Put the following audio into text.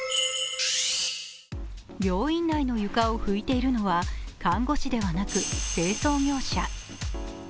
病院内の床を拭いているのは看護師ではなく清掃業者。